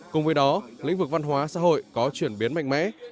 cùng với đó lĩnh vực văn hóa xã hội có chuyển biến mạnh mẽ